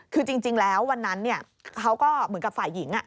คือจริงแล้ววันนั้นเขาก็เหมือนกับฝ่ายหญิง